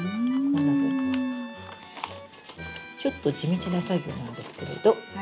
ちょっと地道な作業なんですけれど。